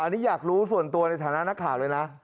อันนี้อยากรู้ส่วนตัวในฐานะนักข่าวเลยนะ